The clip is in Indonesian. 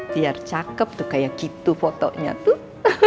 biar cakep tuh kayak gitu fotonya tuh